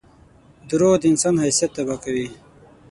• دروغ د انسان حیثیت تباه کوي.